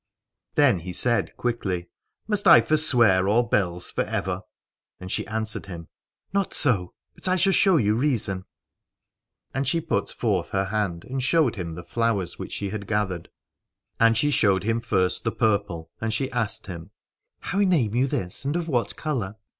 Then he said quickly: Must I forswear all bells for ever ? And she answered him : Not so, but I shall show you reason. And she put forth her hand and showed him the flowers 164 Aladore which she had gathered. And she showed him first the purple, and she asked him : How name you this, and of what colour?